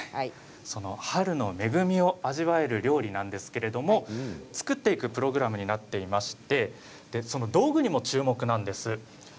その春の恵みを味わえる料理ですが、作っているプログラムになっていましてここにも注目なんです。